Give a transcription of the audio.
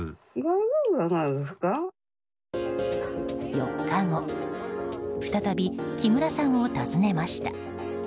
４日後再び木村さんを訪ねました。